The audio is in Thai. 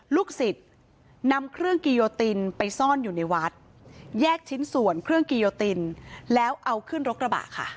ลูกศิษย์นำเครื่องกิโยตินไปซ่อนอยู่ในวัดแยกชิ้นส่วนเครื่องกิโยตินแล้วเอาขึ้นรถกระบะค่ะ